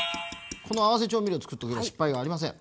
この合わせ調味料をつくっておけば失敗がありません。